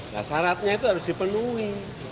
nah syaratnya itu harus dipenuhi